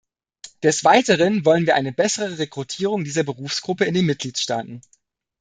Des Weiteren wollen wir eine bessere Rekrutierung dieser Berufsgruppe in den Mitgliedstaaten.